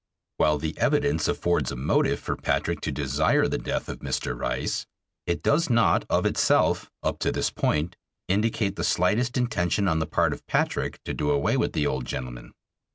While the evidence affords a motive for Patrick to desire the death of Mr. Rice, it does not of itself, up to this point, indicate the slightest intention on the part of Patrick to do away with the old gentleman.